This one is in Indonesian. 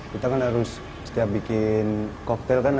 kita kan harus setiap bikin koktel kan